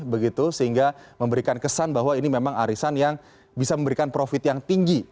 begitu sehingga memberikan kesan bahwa ini memang arisan yang bisa memberikan profit yang tinggi